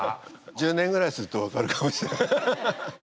１０年ぐらいすると分かるかもしれない。